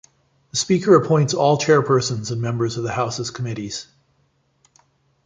The Speaker appoints all chairpersons and members of the House's committees.